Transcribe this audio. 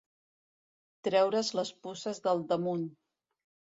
Treure's les puces del damunt.